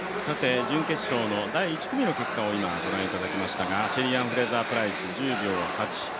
準決勝の第１組の結果を今、ご覧いただきましたがシェリーアン・フレイザープライス１０秒８９。